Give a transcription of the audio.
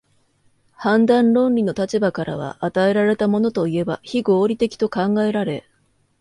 判断論理の立場からは、与えられたものといえば非合理的と考えられ、